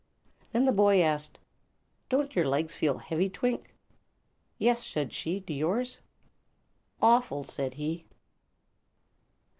Then the boy asked: "Don't your legs feel heavy, Twink?" "Yes," said she; "do yours?" "Awful," said he.